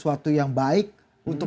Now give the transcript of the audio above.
untuk mengembangkan kebenaran